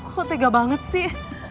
kok tega banget sih